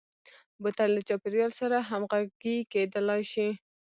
بوتل د چاپیریال سره همغږي کېدلای شي.